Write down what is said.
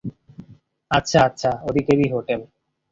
আচ্ছা আচ্ছা, ওদিকেরই হোটেল।